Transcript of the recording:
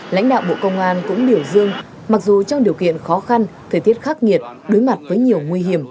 lãnh đạo bộ công an cũng biểu dương mặc dù trong điều kiện khó khăn thời tiết khắc nghiệt đối mặt với nhiều nguy hiểm